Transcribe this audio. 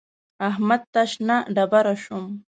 احمد ته شنه ډبره شوم.